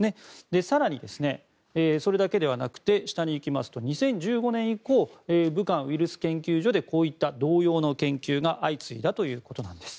更に、それだけではなくて２０１５年以降武漢ウイルス研究所で同様の研究が相次いだということです。